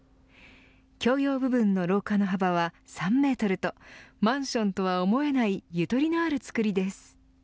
共用部分の廊下の幅は３メートルとマンションとは思えないゆとりのある造りです。